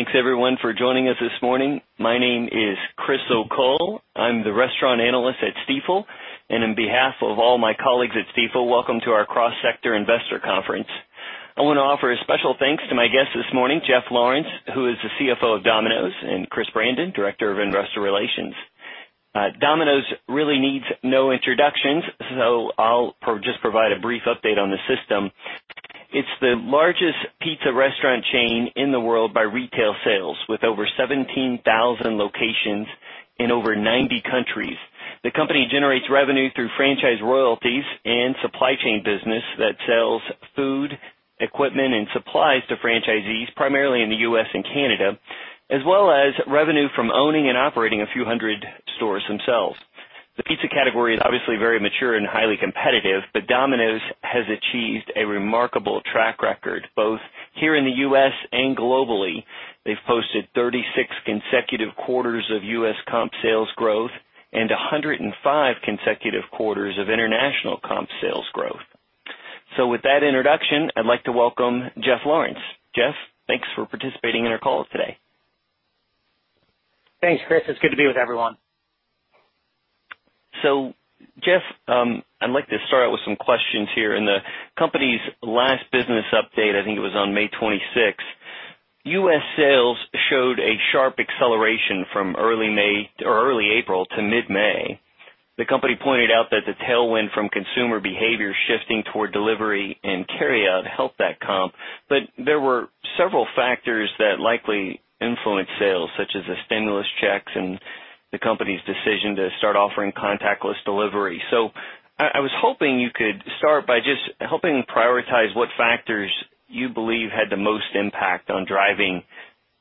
Thanks everyone for joining us this morning. My name is Chris O'Cull. I'm the restaurant analyst at Stifel, and on behalf of all my colleagues at Stifel, welcome to our cross-sector investor conference. I want to offer a special thanks to my guest this morning, Jeff Lawrence, who is the CFO of Domino's, and Chris Brandon, Director of Investor Relations. Domino's really needs no introductions, so I'll just provide a brief update on the system. It's the largest pizza restaurant chain in the world by retail sales, with over 17,000 locations in over 90 countries. The company generates revenue through franchise royalties and supply chain business that sells food, equipment, and supplies to franchisees, primarily in the U.S. and Canada, as well as revenue from owning and operating a few hundred stores themselves. The pizza category is obviously very mature and highly competitive, but Domino's has achieved a remarkable track record, both here in the U.S. and globally. They've posted 36 consecutive quarters of U.S. comp sales growth and 105 consecutive quarters of international comp sales growth. With that introduction, I'd like to welcome Jeff Lawrence. Jeff, thanks for participating in our call today. Thanks, Chris. It's good to be with everyone. Jeff, I'd like to start out with some questions here. In the company's last business update, I think it was on May 26th, U.S. sales showed a sharp acceleration from early April to mid-May. The company pointed out that the tailwind from consumer behavior shifting toward delivery and carryout helped that comp. There were several factors that likely influenced sales, such as the stimulus checks and the company's decision to start offering contactless delivery. I was hoping you could start by just helping prioritize what factors you believe had the most impact on driving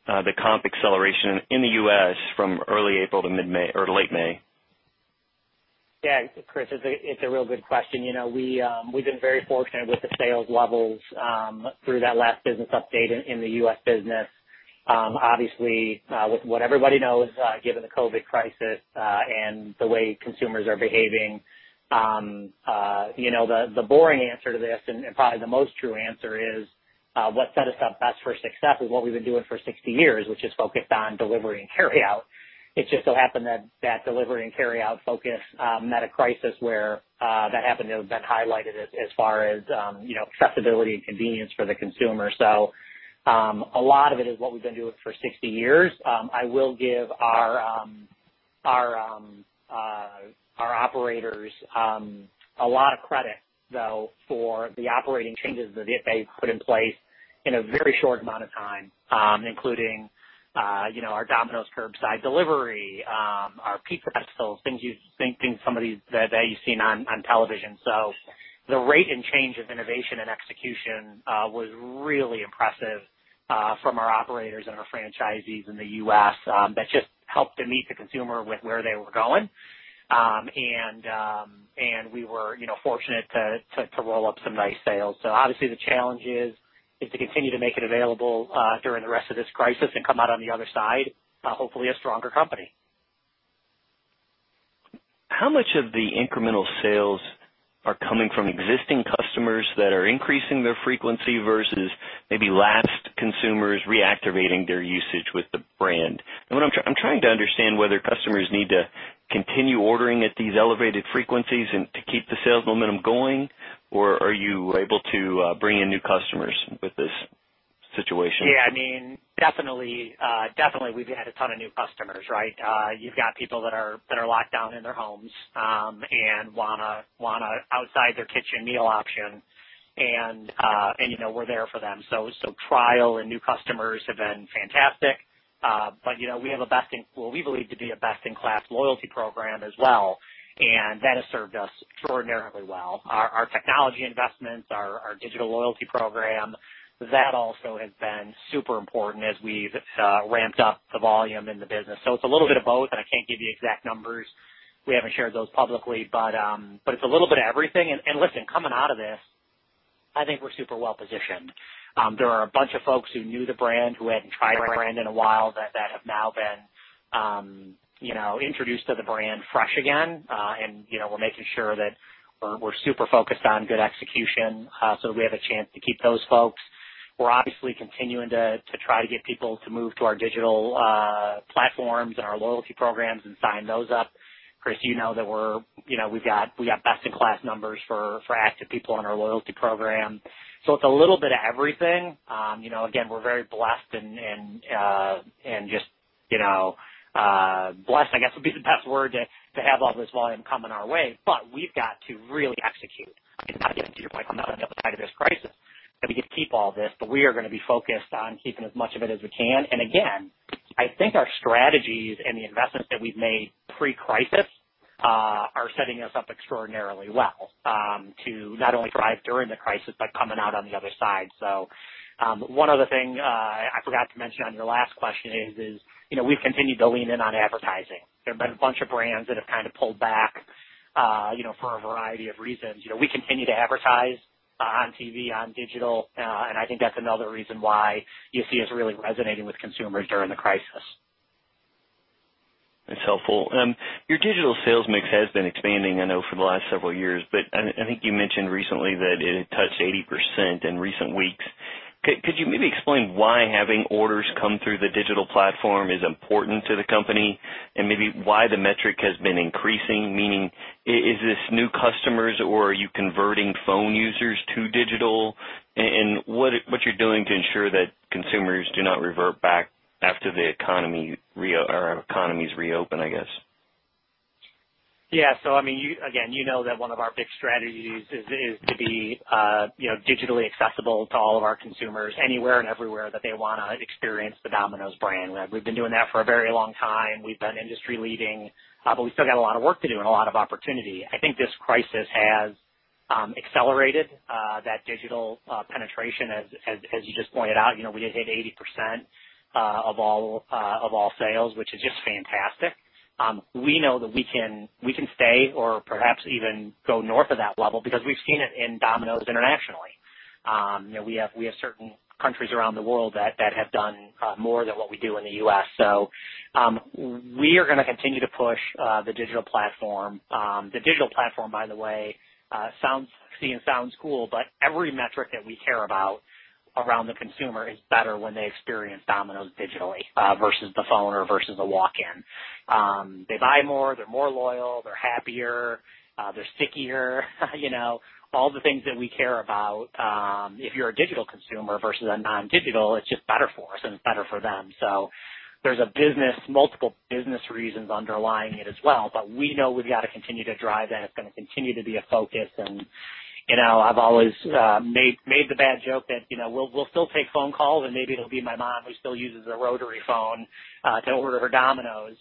the comp acceleration in the U.S. from early April to mid-May or late May. Yeah. Chris, it's a real good question. We've been very fortunate with the sales levels through that last business update in the U.S. business. Obviously, with what everybody knows, given the COVID crisis, and the way consumers are behaving, the boring answer to this, and probably the most true answer, is what set us up best for success is what we've been doing for 60 years, which is focused on delivery and carry out. It just so happened that that delivery and carry out focus met a crisis where that happened to have been highlighted as far as accessibility and convenience for the consumer. A lot of it is what we've been doing for 60 years. I will give our operators a lot of credit, though, for the operating changes that they put in place in a very short amount of time, including our Domino's Carside Delivery, our pizza festivals, things that you've seen on television. The rate and change of innovation and execution was really impressive from our operators and our franchisees in the U.S. That just helped to meet the consumer with where they were going. We were fortunate to roll up some nice sales. Obviously the challenge is to continue to make it available during the rest of this crisis and come out on the other side, hopefully a stronger company. How much of the incremental sales are coming from existing customers that are increasing their frequency versus maybe lapsed consumers reactivating their usage with the brand? I'm trying to understand whether customers need to continue ordering at these elevated frequencies and to keep the sales momentum going, or are you able to bring in new customers with this situation? Yeah. Definitely we've had a ton of new customers, right? You've got people that are locked down in their homes, and want an outside their kitchen meal option and we're there for them. Trial and new customers have been fantastic. We have what we believe to be a best in class loyalty program as well, and that has served us extraordinarily well. Our technology investments, our digital loyalty program, that also has been super important as we've ramped up the volume in the business. It's a little bit of both, and I can't give you exact numbers. We haven't shared those publicly, but it's a little bit of everything. Listen, coming out of this, I think we're super well-positioned. There are a bunch of folks who knew the brand, who hadn't tried our brand in a while, that have now been introduced to the brand fresh again. We're making sure that we're super focused on good execution, so we have a chance to keep those folks. We're obviously continuing to try to get people to move to our digital platforms and our loyalty programs and sign those up. Chris, you know that we've got best in class numbers for active people on our loyalty program. It's a little bit of everything. Again, we're very blessed and just blessed, I guess, would be the best word, to have all this volume coming our way. We've got to really execute. To get to your point, on the other side of this crisis, that we could keep all this, but we are going to be focused on keeping as much of it as we can. Again, I think our strategies and the investments that we've made pre-crisis, are setting us up extraordinarily well, to not only thrive during the crisis, but coming out on the other side. One other thing I forgot to mention on your last question is we've continued to lean in on advertising. There have been a bunch of brands that have kind of pulled back for a variety of reasons. We continue to advertise on TV, on digital, and I think that's another reason why you see us really resonating with consumers during the crisis. That's helpful. Your digital sales mix has been expanding, I know, for the last several years. I think you mentioned recently that it had touched 80% in recent weeks. Could you maybe explain why having orders come through the digital platform is important to the company and maybe why the metric has been increasing? Meaning, is this new customers or are you converting phone users to digital? What you're doing to ensure that consumers do not revert back after the economy or economies reopen, I guess. Again, you know that one of our big strategies is to be digitally accessible to all of our consumers, anywhere and everywhere that they want to experience the Domino's brand. We've been doing that for a very long time. We've been industry leading, we still got a lot of work to do and a lot of opportunity. I think this crisis has accelerated that digital penetration, as you just pointed out. We just hit 80% of all sales, which is just fantastic. We know that we can stay or perhaps even go north of that level because we've seen it in Domino's internationally. We have certain countries around the world that have done more than what we do in the U.S. We are going to continue to push the digital platform. The digital platform, by the way, sounds sexy and sounds cool, but every metric that we care about around the consumer is better when they experience Domino's digitally versus the phone or versus a walk-in. They buy more. They're more loyal. They're happier. They're stickier. All the things that we care about, if you're a digital consumer versus a non-digital, it's just better for us and it's better for them. There's multiple business reasons underlying it as well. We know we've got to continue to drive that. It's going to continue to be a focus. I've always made the bad joke that we'll still take phone calls, and maybe it'll be my mom, who still uses a rotary phone to order her Domino's.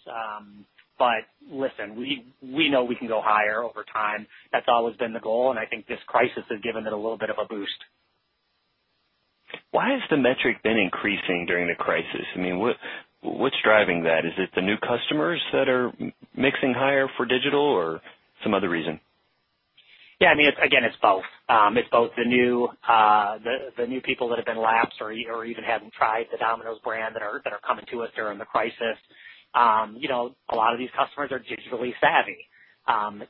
Listen, we know we can go higher over time. That's always been the goal, and I think this crisis has given it a little bit of a boost. Why has the metric been increasing during the crisis? What's driving that? Is it the new customers that are mixing higher for digital or some other reason? Yeah, again, it's both. It's both the new people that have been lapsed or even haven't tried the Domino's brand that are coming to us during the crisis. A lot of these customers are digitally savvy.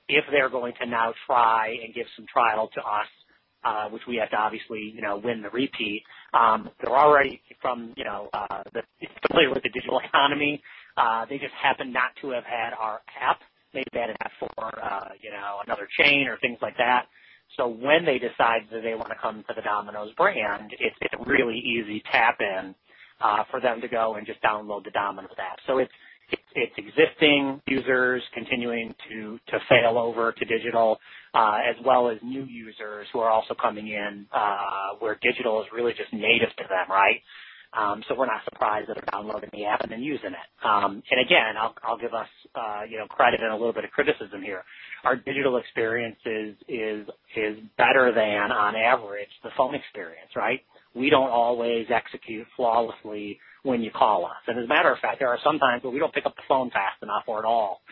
If they're going to now try and give some trial to us, which we have to obviously win the repeat, they're already familiar with the digital economy. They just happen not to have had our app. They've had an app for another chain or things like that. When they decide that they want to come to the Domino's brand, it's a really easy tap in for them to go and just download the Domino's app. It's existing users continuing to sail over to digital, as well as new users who are also coming in, where digital is really just native to them, right? We're not surprised that they're downloading the app and then using it. Again, I'll give us credit and a little bit of criticism here. Our digital experience is better than, on average, the phone experience, right? We don't always execute flawlessly when you call us. As a matter of fact, there are some times where we don't pick up the phone fast enough or at all,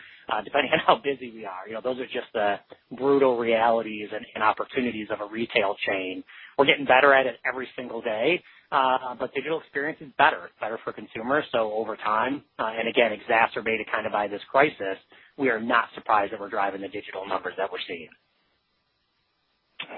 depending on how busy we are. Those are just the brutal realities and opportunities of a retail chain. We're getting better at it every single day. Digital experience is better. It's better for consumers. Over time, and again, exacerbated by this crisis, we are not surprised that we're driving the digital numbers that we're seeing.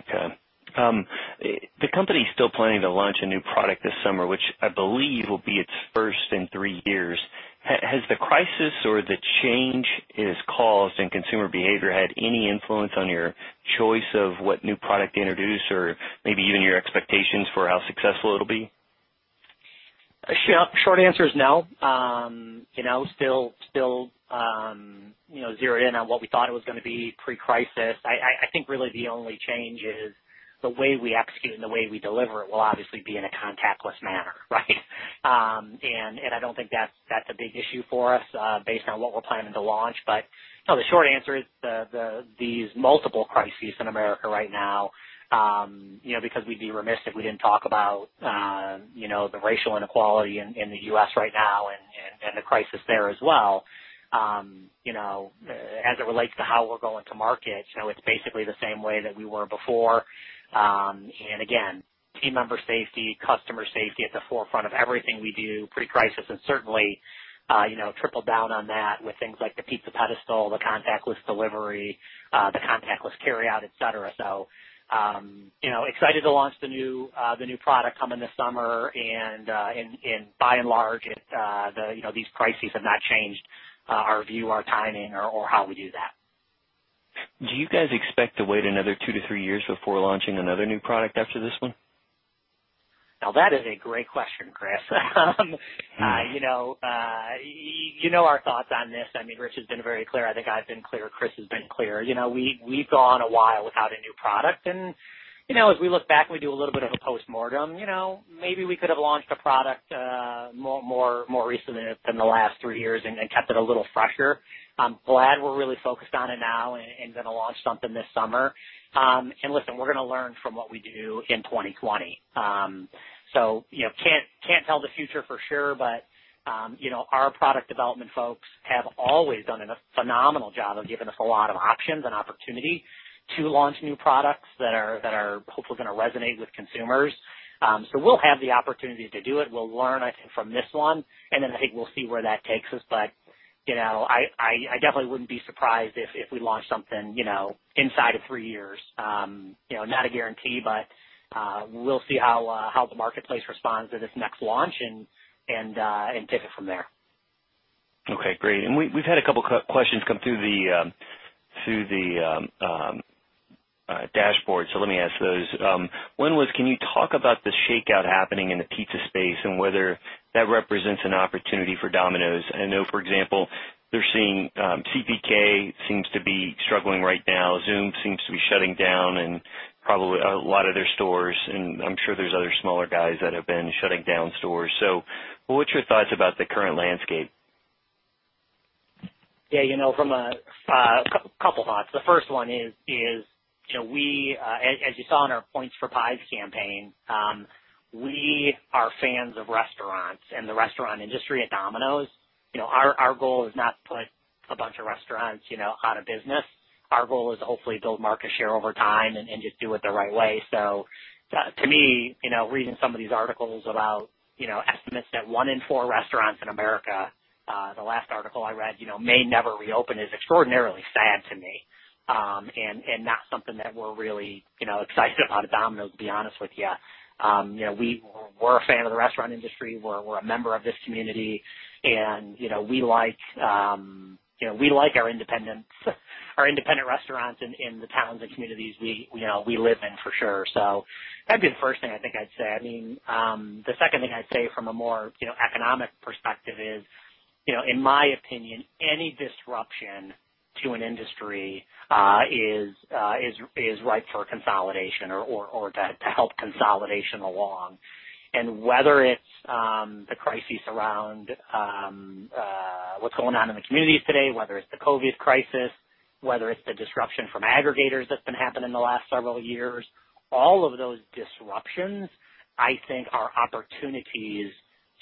Okay. The company is still planning to launch a new product this summer, which I believe will be its first in three years. Has the crisis or the change it has caused in consumer behavior had any influence on your choice of what new product to introduce or maybe even your expectations for how successful it'll be? Short answer is no. Still zero in on what we thought it was going to be pre-crisis. I think really the only change is the way we execute and the way we deliver it will obviously be in a contactless manner, right? I don't think that's a big issue for us based on what we're planning to launch. No, the short answer is these multiple crises in America right now, because we'd be remiss if we didn't talk about the racial inequality in the U.S. right now and the crisis there as well. As it relates to how we're going to market, it's basically the same way that we were before. Again, team member safety, customer safety at the forefront of everything we do pre-crisis, and certainly tripled down on that with things like the Pizza Pedestal, the contactless delivery, the contactless carryout, et cetera. Excited to launch the new product coming this summer and by and large, these crises have not changed our view, our timing, or how we do that. Do you guys expect to wait another two to three years before launching another new product after this one? That is a great question, Chris. You know our thoughts on this. Rich has been very clear. I think I've been clear. Chris has been clear. We've gone a while without a new product, as we look back and we do a little bit of a postmortem, maybe we could have launched a product more recently than the last three years and kept it a little fresher. I'm glad we're really focused on it now going to launch something this summer. Listen, we're going to learn from what we do in 2020. Can't tell the future for sure, our product development folks have always done a phenomenal job of giving us a lot of options and opportunity to launch new products that are hopefully going to resonate with consumers. We'll have the opportunity to do it. We'll learn, I think, from this one, and then I think we'll see where that takes us. I definitely wouldn't be surprised if we launch something inside of three years. Not a guarantee, but we'll see how the marketplace responds to this next launch and take it from there. Okay, great. We've had a couple questions come through the dashboard, so let me ask those. One was, can you talk about the shakeout happening in the pizza space and whether that represents an opportunity for Domino's? I know, for example, they're seeing CPK seems to be struggling right now. Zume seems to be shutting down and probably a lot of their stores, and I'm sure there's other smaller guys that have been shutting down stores. What's your thoughts about the current landscape? Yeah. A couple thoughts. The first one is, as you saw in our Points for Pies campaign, we are fans of restaurants and the restaurant industry at Domino's. Our goal is not to put a bunch of restaurants out of business. Our goal is to hopefully build market share over time and just do it the right way. To me, reading some of these articles about estimates that one in four restaurants in America, the last article I read, may never reopen is extraordinarily sad to me. Not something that we're really excited about at Domino's, to be honest with you. We're a fan of the restaurant industry. We're a member of this community, and we like our independent restaurants in the towns and communities we live in for sure. That'd be the first thing I think I'd say. The second thing I'd say from a more economic perspective is, in my opinion, any disruption to an industry is ripe for consolidation or to help consolidation along. Whether it's the crises around what's going on in the communities today, whether it's the COVID crisis, whether it's the disruption from aggregators that's been happening in the last several years, all of those disruptions, I think, are opportunities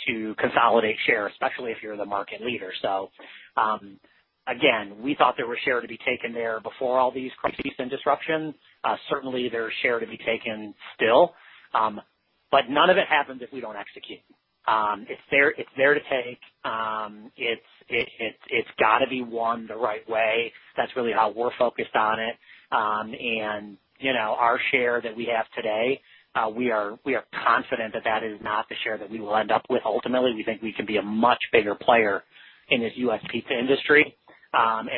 to consolidate share, especially if you're the market leader. Again, we thought there was share to be taken there before all these crises and disruptions. Certainly, there's share to be taken still. None of it happens if we don't execute. It's there to take. It's got to be won the right way. That's really how we're focused on it. Our share that we have today, we are confident that is not the share that we will end up with ultimately. We think we can be a much bigger player in this U.S. pizza industry.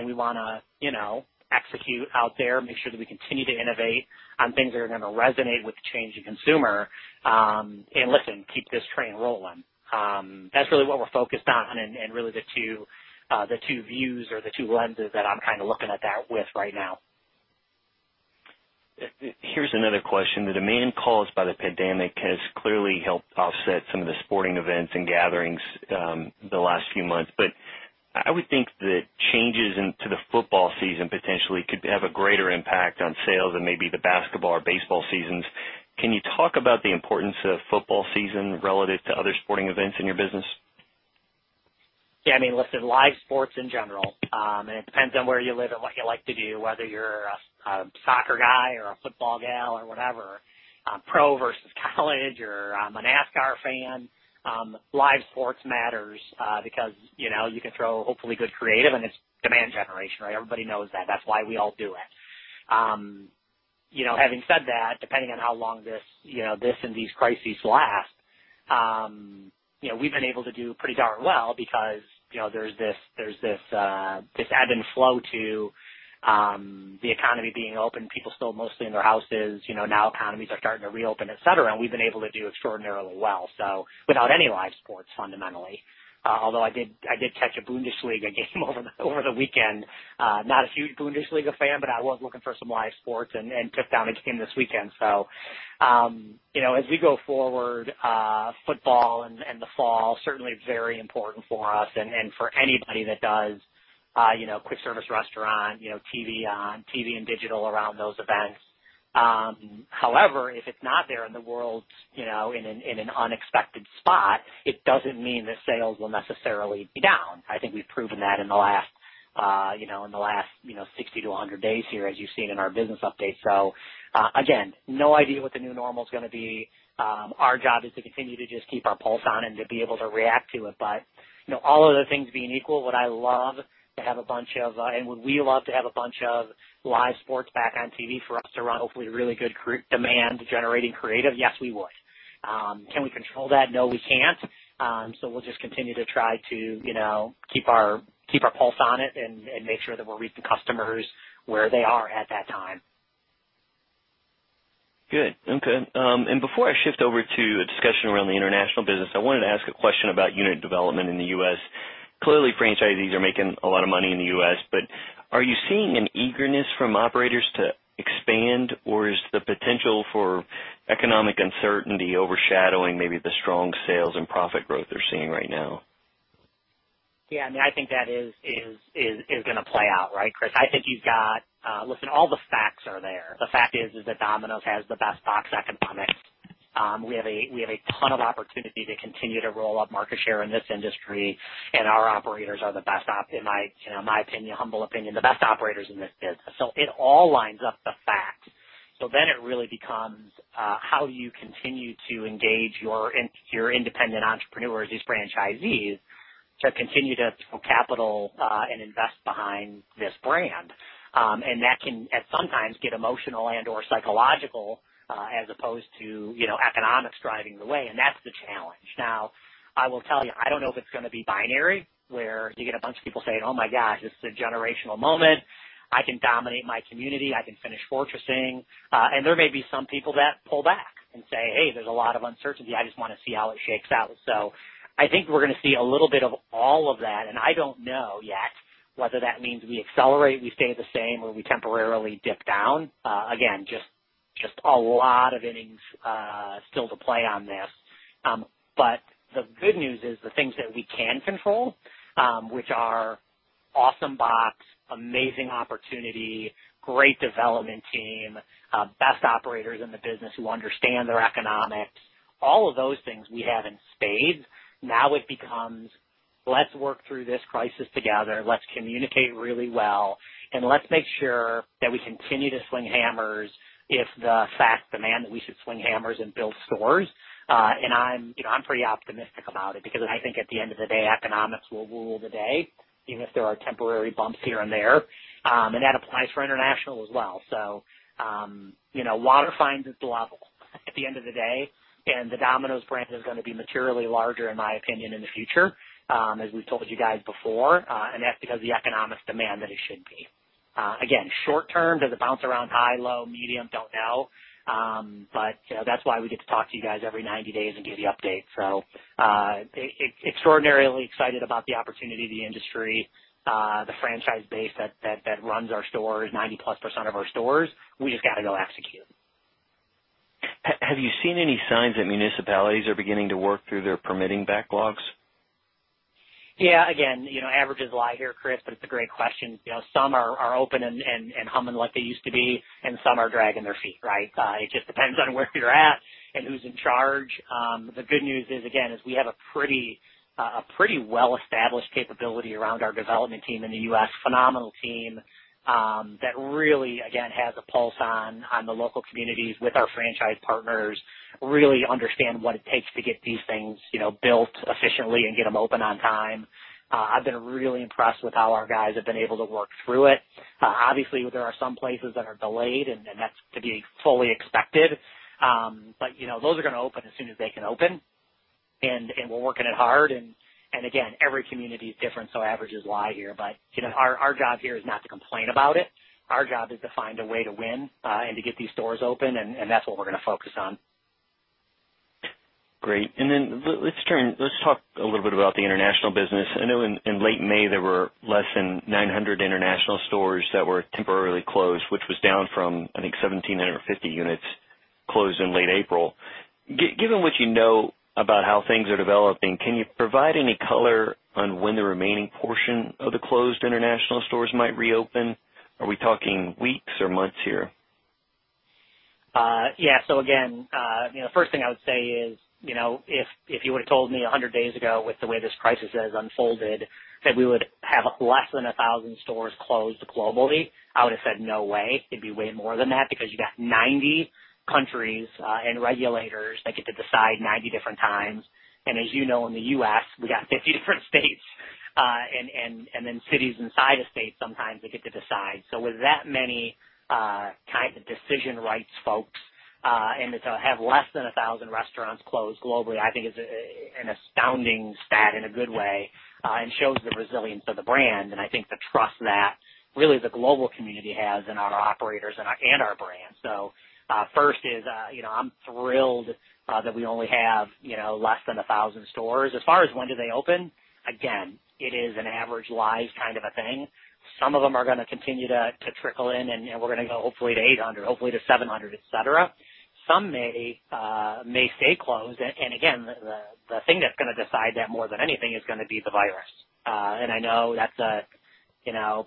We want to execute out there, make sure that we continue to innovate on things that are going to resonate with the changing consumer. Listen, keep this train rolling. That's really what we're focused on and really the two views or the two lenses that I'm looking at that with right now. Here's another question. The demand caused by the pandemic has clearly helped offset some of the sporting events and gatherings the last few months. I would think that changes to the football season potentially could have a greater impact on sales than maybe the basketball or baseball seasons. Can you talk about the importance of football season relative to other sporting events in your business? Yeah. Listen, live sports in general, and it depends on where you live and what you like to do, whether you're a soccer guy or a football gal or whatever, pro versus college or a NASCAR fan. Live sports matters, because you can throw hopefully good creative, and it's demand generation, right? Everybody knows that. That's why we all do it. Having said that, depending on how long this and these crises last, we've been able to do pretty darn well because there's this ebb and flow to the economy being open. People still mostly in their houses. Economies are starting to reopen, et cetera, and we've been able to do extraordinarily well, without any live sports, fundamentally. Although I did catch a Bundesliga game over the weekend. Not a huge Bundesliga fan, I was looking for some live sports and took down a game this weekend. As we go forward, football and the fall, certainly very important for us and for anybody that does quick service restaurant, TV and digital around those events. If it's not there and the world's in an unexpected spot, it doesn't mean that sales will necessarily be down. I think we've proven that in the last 60- 100 days here, as you've seen in our business updates. Again, no idea what the new normal is going to be. Our job is to continue to just keep our pulse on and to be able to react to it. All of the things being equal, would I love to have a bunch of, and would we love to have a bunch of live sports back on TV for us to run hopefully really good demand generating creative? Yes, we would. Can we control that? No, we can't. We'll just continue to try to keep our pulse on it and make sure that we're with the customers where they are at that time. Good. Okay. Before I shift over to a discussion around the international business, I wanted to ask a question about unit development in the U.S. Clearly, franchisees are making a lot of money in the U.S., but are you seeing an eagerness from operators to expand, or is the potential for economic uncertainty overshadowing maybe the strong sales and profit growth they're seeing right now? Yeah. I think that is going to play out, right, Chris? Listen, all the facts are there. The fact is that Domino's has the best box economics. We have a ton of opportunity to continue to roll up market share in this industry, and our operators are the best operators in this business. It all lines up the facts. It really becomes how you continue to engage your independent entrepreneurs, these franchisees, to continue to put capital and invest behind this brand. That can sometimes get emotional and/or psychological, as opposed to economics driving the way, and that's the challenge. Now, I will tell you, I don't know if it's going to be binary where you get a bunch of people saying, "Oh my gosh, this is a generational moment. I can dominate my community. I can finish fortressing." There may be some people that pull back and say, "Hey, there's a lot of uncertainty. I just want to see how it shakes out." I think we're going to see a little bit of all of that, and I don't know yet whether that means we accelerate, we stay the same, or we temporarily dip down. Again, just a lot of innings still to play on this. The good news is the things that we can control, which are awesome box, amazing opportunity, great development team, best operators in the business who understand their economics. All of those things we have in spades. Now it becomes, let's work through this crisis together, let's communicate really well, and let's make sure that we continue to swing hammers if the facts demand that we should swing hammers and build stores. I'm pretty optimistic about it, because I think at the end of the day, economics will rule the day, even if there are temporary bumps here and there. That applies for international as well. Water finds its level at the end of the day, and the Domino's brand is going to be materially larger, in my opinion, in the future, as we've told you guys before. That's because the economics demand that it should be. Again, short-term, does it bounce around high, low, medium? Don't know. That's why we get to talk to you guys every 90 days and give you updates. Extraordinarily excited about the opportunity, the industry, the franchise base that runs our stores, 90+% of our stores. We just got to go execute. Have you seen any signs that municipalities are beginning to work through their permitting backlogs? Yeah. Again, averages lie here, Chris, but it's a great question. Some are open and humming like they used to be, and some are dragging their feet, right? It just depends on where you're at and who's in charge. The good news is, again, we have a pretty well-established capability around our development team in the U.S. Phenomenal team that really, again, has a pulse on the local communities with our franchise partners, really understand what it takes to get these things built efficiently and get them open on time. I've been really impressed with how our guys have been able to work through it. Obviously, there are some places that are delayed, and that's to be fully expected. Those are going to open as soon as they can open, and we're working it hard. Again, every community is different, so averages lie here. Our job here is not to complain about it. Our job is to find a way to win, and to get these stores open, and that's what we're going to focus on. Great. Let's talk a little bit about the international business. I know in late May, there were less than 900 international stores that were temporarily closed, which was down from, I think, 1,750 units closed in late April. Given what you know about how things are developing, can you provide any color on when the remaining portion of the closed international stores might reopen? Are we talking weeks or months here? Yeah. Again, the first thing I would say is, if you would've told me 100 days ago with the way this crisis has unfolded, that we would have less than 1,000 stores closed globally, I would've said, "No way. It'd be way more than that," because you got 90 countries and regulators that get to decide 90 different times. As you know, in the U.S., we got 50 different states and then cities inside of states, sometimes they get to decide. With that many kinds of decision rights folks, and to have less than 1,000 restaurants closed globally, I think is an astounding stat in a good way, and shows the resilience of the brand, and I think the trust that really the global community has in our operators and our brand. First is, I'm thrilled that we only have less than 1,000 stores. As far as when do they open, again, it is an average lies kind of a thing. Some of them are going to continue to trickle in, and we're going to go hopefully to 800, hopefully to 700, et cetera. Some may stay closed, and again, the thing that's going to decide that more than anything is going to be the virus. I know that's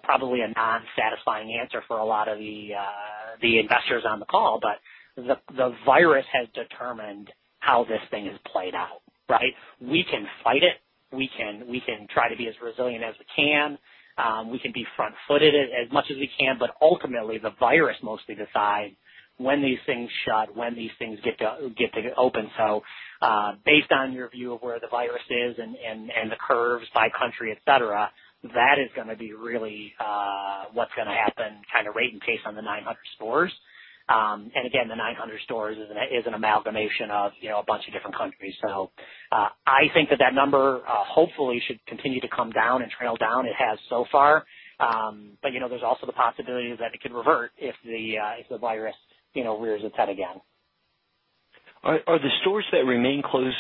probably a non-satisfying answer for a lot of the investors on the call, but the virus has determined how this thing is played out, right? We can fight it. We can try to be as resilient as we can. We can be front-footed as much as we can, but ultimately, the virus mostly decides when these things shut, when these things get to open. Based on your view of where the virus is and the curves by country, et cetera, that is going to be really what's going to happen kind of rate and pace on the 900 stores. Again, the 900 stores is an amalgamation of a bunch of different countries. I think that that number hopefully should continue to come down and trail down. It has so far. There's also the possibility that it could revert if the virus rears its head again. Are the stores that remain closed,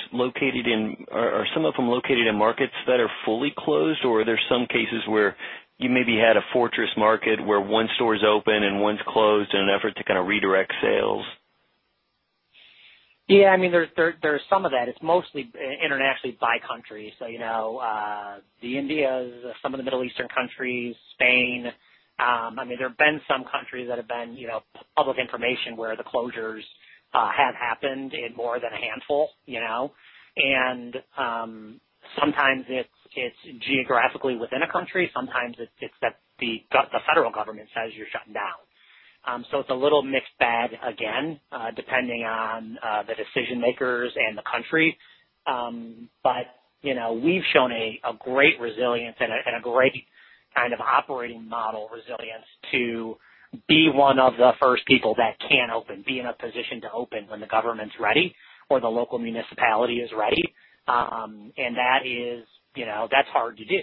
are some of them located in markets that are fully closed, or are there some cases where you maybe had a fortress market where one store's open and one's closed in an effort to kind of redirect sales? Yeah, there's some of that. It's mostly internationally by country. The Indias, some of the Middle Eastern countries, Spain. There have been some countries that have been public information where the closures have happened in more than a handful. Sometimes it's geographically within a country, sometimes it's that the federal government says you're shutting down. It's a little mixed bag, again, depending on the decision-makers and the country. We've shown a great resilience and a great kind of operating model resilience to be one of the first people that can open, be in a position to open when the government's ready or the local municipality is ready. That's hard to do.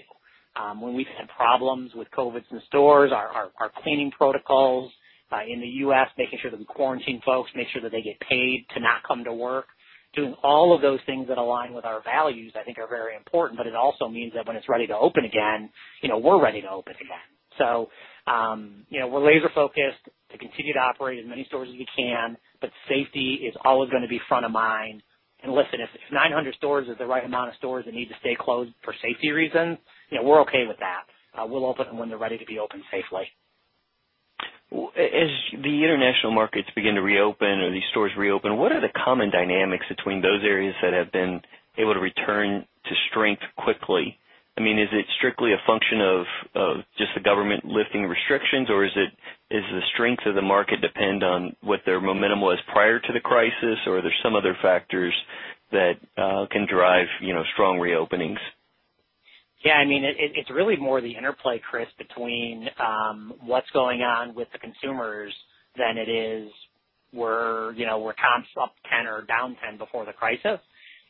When we've had problems with COVID in stores, our cleaning protocols, in the U.S., making sure that we quarantine folks, make sure that they get paid to not come to work. Doing all of those things that align with our values, I think, are very important. It also means that when it's ready to open again, we're ready to open again. We're laser-focused to continue to operate as many stores as we can, but safety is always going to be front of mind. Listen, if 900 stores is the right amount of stores that need to stay closed for safety reasons, we're okay with that. We'll open when they're ready to be opened safely. As the international markets begin to reopen or these stores reopen, what are the common dynamics between those areas that have been able to return to strength quickly? Is it strictly a function of just the government lifting restrictions, or does the strength of the market depend on what their momentum was prior to the crisis? Or are there some other factors that can drive strong reopenings? Yeah. It's really more the interplay, Chris O'Cull, between what's going on with the consumers than it is were comps up 10 or down 10 before the crisis.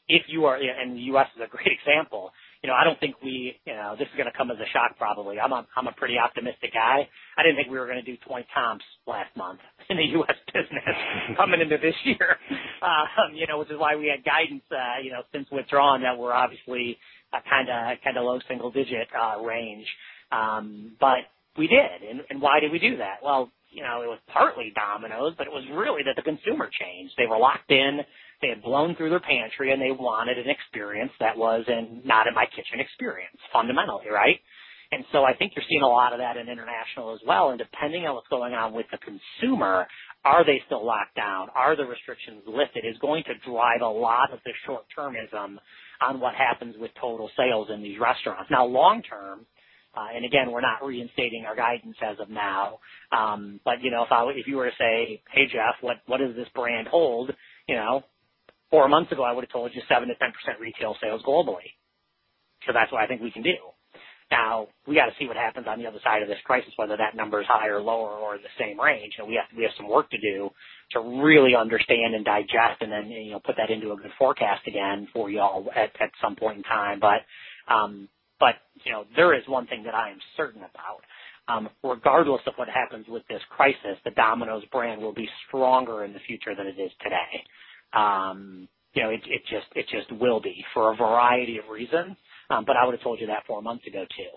The U.S. is a great example. This is going to come as a shock, probably. I'm a pretty optimistic guy. I didn't think we were going to do 20 comps last month in the U.S. business coming into this year. Which is why we had guidance since withdrawn, that we're obviously a low single-digit range. We did. Why did we do that? It was partly Domino's, but it was really that the consumer changed. They were locked in, they had blown through their pantry, and they wanted an experience that was a not in my kitchen experience, fundamentally, right? I think you're seeing a lot of that in international as well, and depending on what's going on with the consumer, are they still locked down? Are the restrictions lifted, is going to drive a lot of the short-termism on what happens with total sales in these restaurants. Long term, and again, we're not reinstating our guidance as of now, but if you were to say, "Hey, Jeff, what does this brand hold?" four months ago, I would have told you 7%-10% retail sales globally. That's what I think we can do. We got to see what happens on the other side of this crisis, whether that number is higher, lower, or the same range. We have some work to do to really understand and digest and then put that into a good forecast again for you all at some point in time. There is one thing that I am certain about. Regardless of what happens with this crisis, the Domino's brand will be stronger in the future than it is today. It just will be for a variety of reasons. I would have told you that four months ago, too.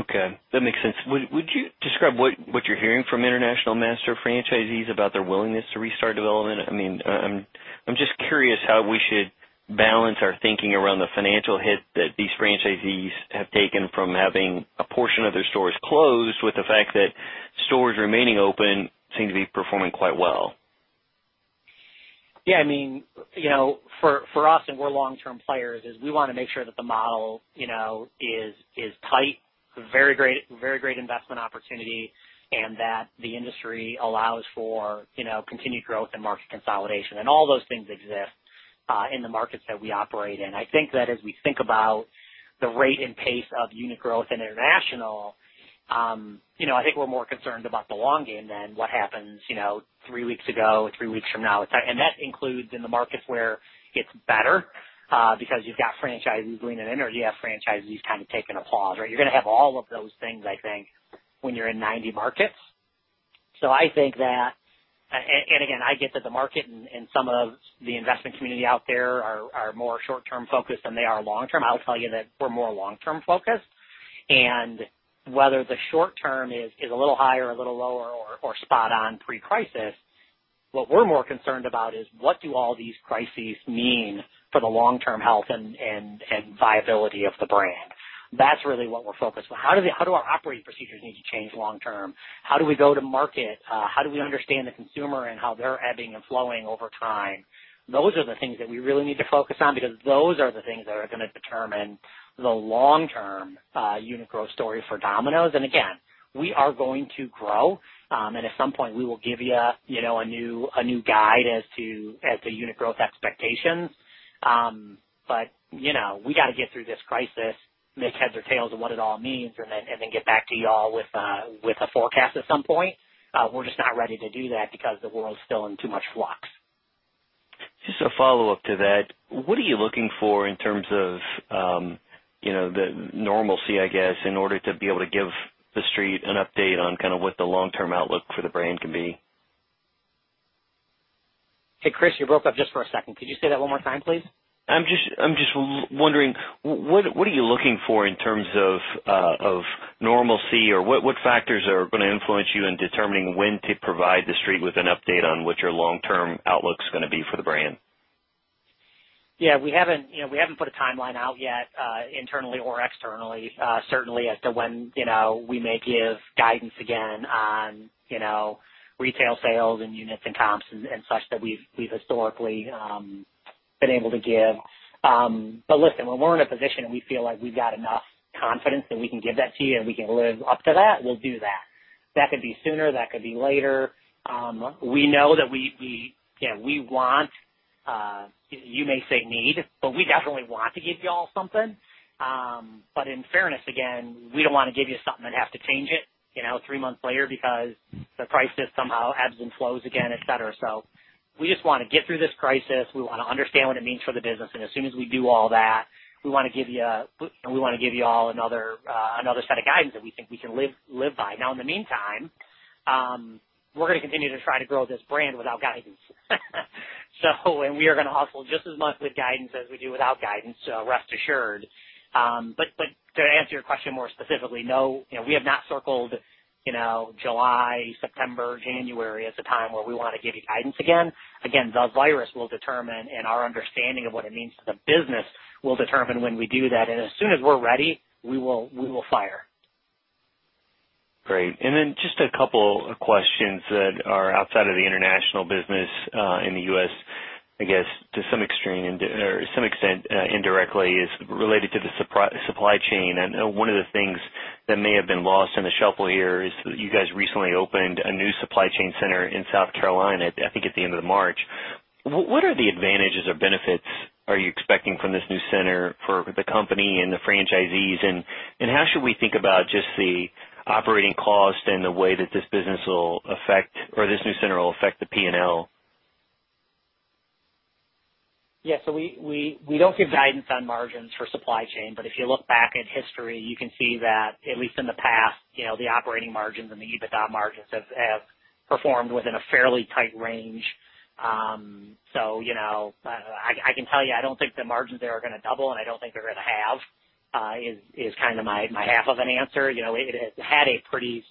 Okay. That makes sense. Would you describe what you're hearing from international master franchisees about their willingness to restart development? I'm just curious how we should balance our thinking around the financial hit that these franchisees have taken from having a portion of their stores closed, with the fact that stores remaining open seem to be performing quite well. Yeah. For us, and we're long-term players, is we want to make sure that the model is tight, very great investment opportunity, and that the industry allows for continued growth and market consolidation. All those things exist in the markets that we operate in. I think that as we think about the rate and pace of unit growth in international, I think we're more concerned about the long game than what happens three weeks ago or three weeks from now. That includes in the markets where it's better, because you've got franchisees leaning in or you have franchisees kind of taking a pause, right? You're going to have all of those things, I think, when you're in 90 markets. Again, I get that the market and some of the investment community out there are more short-term focused than they are long-term. I'll tell you that we're more long-term focused. Whether the short-term is a little higher, a little lower, or spot on pre-crisis, what we're more concerned about is what do all these crises mean for the long-term health and viability of the brand. That's really what we're focused on. How do our operating procedures need to change long-term? How do we go to market? How do we understand the consumer and how they're ebbing and flowing over time? Those are the things that we really need to focus on, because those are the things that are going to determine the long-term unit growth story for Domino's. Again, we are going to grow, and at some point we will give you a new guide as to unit growth expectations. We got to get through this crisis, make heads or tails of what it all means, and then get back to you all with a forecast at some point. We're just not ready to do that because the world's still in too much flux. Just a follow-up to that. What are you looking for in terms of the normalcy, I guess, in order to be able to give the Street an update on what the long-term outlook for the brand can be? Hey, Chris, you broke up just for a second. Could you say that one more time, please? I'm just wondering, what are you looking for in terms of normalcy, or what factors are going to influence you in determining when to provide the Street with an update on what your long-term outlook's going to be for the brand? Yeah, we haven't put a timeline out yet, internally or externally, certainly as to when we may give guidance again on retail sales and units and comps and such that we've historically been able to give. Listen, when we're in a position and we feel like we've got enough confidence that we can give that to you and we can live up to that, we'll do that. That could be sooner, that could be later. We know that we want, you may say need, we definitely want to give you all something. In fairness, again, we don't want to give you something and have to change it three months later because the crisis somehow ebbs and flows again, et cetera. We just want to get through this crisis. We want to understand what it means for the business. As soon as we do all that, we want to give you all another set of guidance that we think we can live by. In the meantime, we're going to continue to try to grow this brand without guidance. We are going to hustle just as much with guidance as we do without guidance. Rest assured. To answer your question more specifically, no, we have not circled July, September, January as a time where we want to give you guidance again. The virus will determine, and our understanding of what it means to the business will determine when we do that. As soon as we're ready, we will fire. Great. Just a couple of questions that are outside of the international business, in the U.S., I guess, to some extent, indirectly is related to the supply chain. One of the things that may have been lost in the shuffle here is you guys recently opened a new supply chain center in South Carolina, I think at the end of March. What are the advantages or benefits are you expecting from this new center for the company and the franchisees, and how should we think about just the operating cost and the way that this new center will affect the P&L? We don't give guidance on margins for supply chain. If you look back at history, you can see that, at least in the past, the operating margins and the EBITDA margins have performed within a fairly tight range. I can tell you, I don't think the margins there are going to double, and I don't think they're going to halve, is kind of my half of an answer. It has had a pretty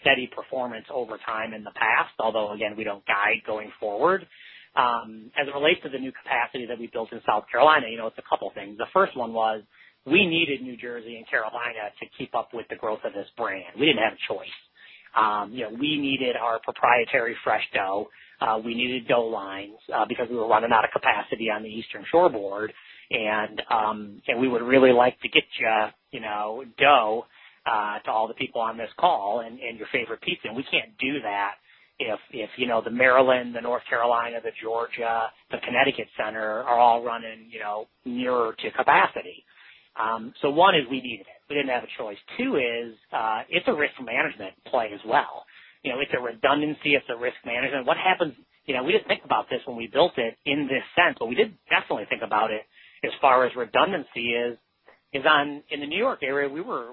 steady performance over time in the past, although, again, we don't guide going forward. As it relates to the new capacity that we built in South Carolina, it's a couple things. The first one was, we needed New Jersey and Carolina to keep up with the growth of this brand. We didn't have a choice. We needed our proprietary fresh dough. We needed dough lines because we were running out of capacity on the eastern seaboard, we would really like to get you dough to all the people on this call and your favorite pizza. We can't do that if the Maryland, the North Carolina, the Georgia, the Connecticut center are all running nearer to capacity. One is we needed it. We didn't have a choice. Two is, it's a risk management play as well. It's a redundancy. It's a risk management. We didn't think about this when we built it in this sense, we did definitely think about it as far as redundancy is. In the New York area, we were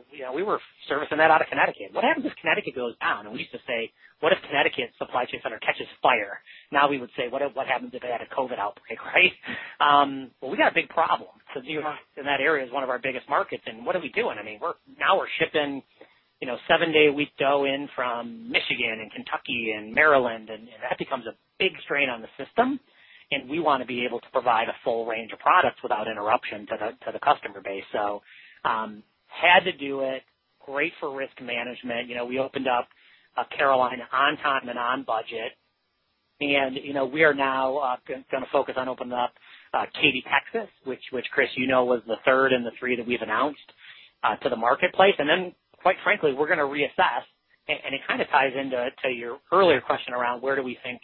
servicing that out of Connecticut. What happens if Connecticut goes down? We used to say, "What if Connecticut supply chain center catches fire?" Now we would say, "What happens if they had a COVID outbreak," right? Well, we got a big problem because New York and that area is one of our biggest markets. What are we doing? Now we're shipping seven-day-a-week dough in from Michigan and Kentucky and Maryland, that becomes a big strain on the system, and we want to be able to provide a full range of products without interruption to the customer base. Had to do it. Great for risk management. We opened up Carolina on time and on budget, we are now going to focus on opening up Katy, Texas, which, Chris, you know was the third and the three that we've announced to the marketplace. Quite frankly, we're going to reassess, and it kind of ties into your earlier question around where do we think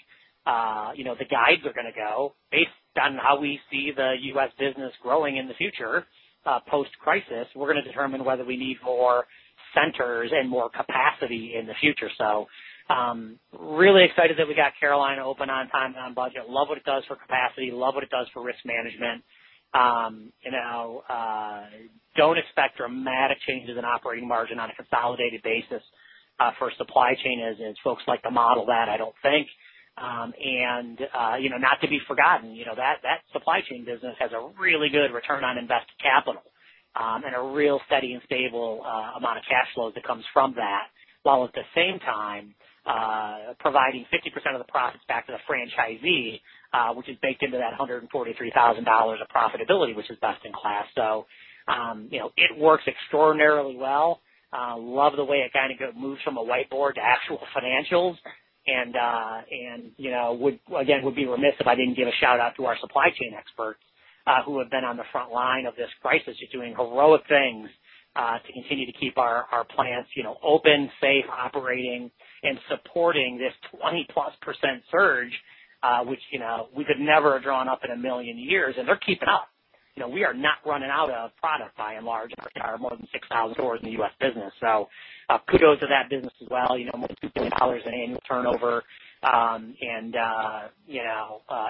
the guides are going to go based on how we see the U.S. business growing in the future, post-crisis. We're going to determine whether we need more centers and more capacity in the future. Really excited that we got Carolina open on time and on budget. Love what it does for capacity, love what it does for risk management. Don't expect dramatic changes in operating margin on a consolidated basis for supply chain as folks like to model that, I don't think. Not to be forgotten, that supply chain business has a really good return on invested capital and a real steady and stable amount of cash flow that comes from that, while at the same time, providing 50% of the profits back to the franchisee, which is baked into that $143,000 of profitability, which is best in class. It works extraordinarily well. Love the way it kind of moves from a whiteboard to actual financials. Again, would be remiss if I didn't give a shout-out to our supply chain experts, who have been on the frontline of this crisis, just doing heroic things to continue to keep our plants open, safe, operating, and supporting this 20+% surge, which we could never have drawn up in a million years. They're keeping up. We are not running out of product, by and large, in our more than 6,000 stores in the U.S. business. Kudos to that business as well. More than $2 billion in annual turnover, and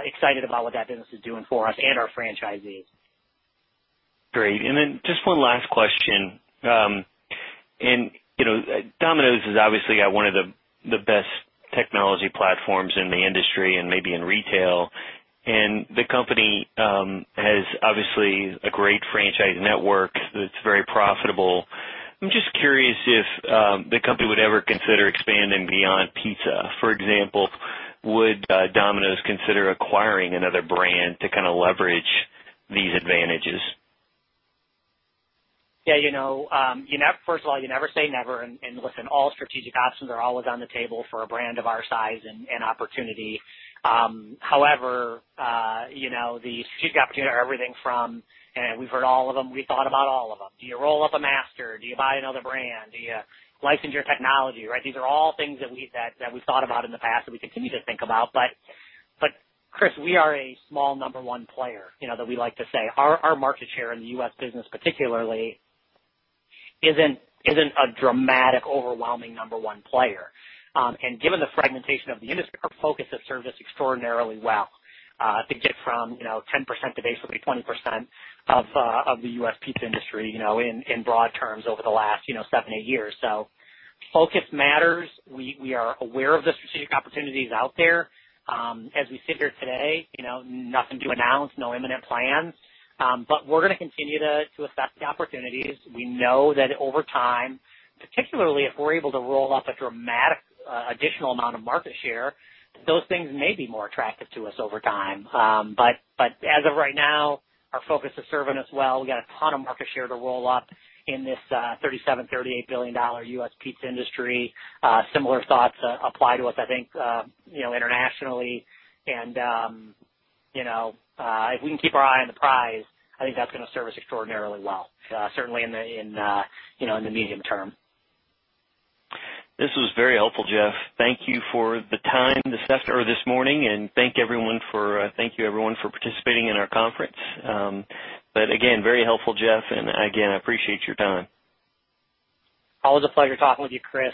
excited about what that business is doing for us and our franchisees. Great. Then just one last question. Domino's has obviously got one of the best technology platforms in the industry and maybe in retail. The company has obviously a great franchise network that's very profitable. I'm just curious if the company would ever consider expanding beyond pizza. For example, would Domino's consider acquiring another brand to leverage these advantages? Yeah. First of all, you never say never. Listen, all strategic options are always on the table for a brand of our size and opportunity. However, the strategic opportunity are everything from. We've heard all of them, we've thought about all of them. Do you roll up a master? Do you buy another brand? Do you license your technology, right? These are all things that we've thought about in the past, that we continue to think about. Chris, we are a small number one player, that we like to say. Our market share in the U.S. business particularly isn't a dramatic, overwhelming number one player. Given the fragmentation of the industry, our focus has served us extraordinarily well, to get from 10% to basically 20% of the U.S. pizza industry in broad terms over the last seven, eight years. Focus matters. We are aware of the strategic opportunities out there. As we sit here today, nothing to announce, no imminent plans. We're going to continue to assess the opportunities. We know that over time, particularly if we're able to roll up a dramatic additional amount of market share, those things may be more attractive to us over time. As of right now, our focus is serving us well. We got a ton of market share to roll up in this $37 billion-$38 billion U.S. pizza industry. Similar thoughts apply to us, I think, internationally. If we can keep our eye on the prize, I think that's going to serve us extraordinarily well, certainly in the medium-term. This was very helpful, Jeff. Thank you, everyone, for participating in our conference. Again, very helpful, Jeff, and again, I appreciate your time. Always a pleasure talking with you, Chris.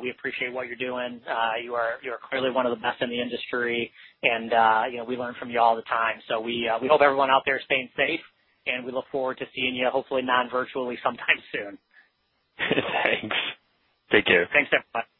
We appreciate what you're doing. You are clearly one of the best in the industry, and we learn from you all the time. We hope everyone out there is staying safe, and we look forward to seeing you, hopefully non-virtually, sometime soon. Thanks. Take care. Thanks, everybody.